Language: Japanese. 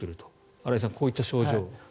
新井さん、こういった症状と。